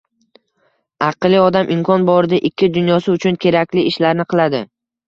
Aqlli odam imkon borida ikki dunyosi uchun kerakli ishlarni qiladi.